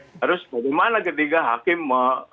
terus bagaimana ketiga hakim